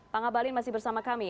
pak ngabalin masih bersama kami